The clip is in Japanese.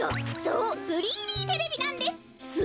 そう３Ｄテレビなんです。